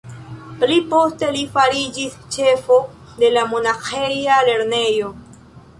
Pli poste li fariĝis ĉefo de la monaĥeja lernejo.